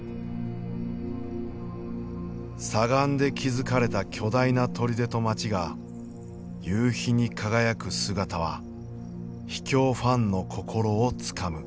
砂岩で築かれた巨大な砦と街が夕日に輝く姿は秘境ファンの心をつかむ。